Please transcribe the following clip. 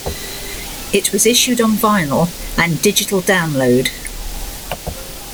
It was issued on vinyl and digital download.